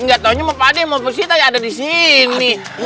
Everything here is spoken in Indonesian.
gak taunya sama pade sama pos hitai ada disini